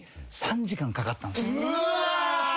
うわ！